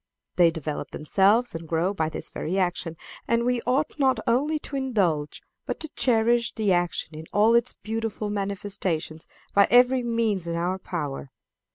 They develop themselves and grow by this very action, and we ought not only to indulge, but to cherish the action in all its beautiful manifestations by every means in our power.